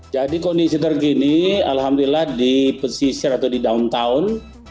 jadi kondisi terkini alhamdulillah di pesisir atau di downtown